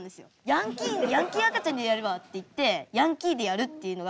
ヤンキー赤ちゃんでやればっていってヤンキーでやるっていうのが。